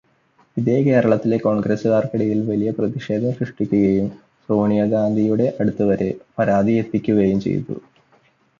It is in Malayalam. ഇതു കേരളത്തിലെ കോൺഗ്രസുകാർക്കിടയിൽ വലിയ പ്രതിഷേധം സൃഷ്ടിക്കുകയും സോണിയഗാന്ധിയുടെ അടുത്തുവരെ പരാതി എത്തുകയും ചെയ്തു.